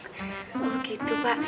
oh gitu pak